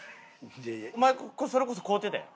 お前それこそ買うてたやん。